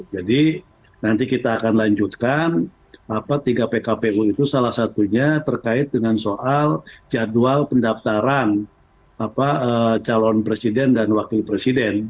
jadi nanti kita akan lanjutkan tiga pkpu itu salah satunya terkait dengan soal jadwal pendaftaran calon presiden dan wakil presiden